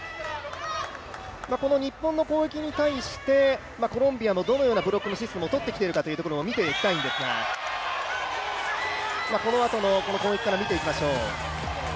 日本の攻撃に対してコロンビアもどのような攻撃のシステムをとってきているか見ていきたいんですがこのあとの攻撃から見ていきましょう。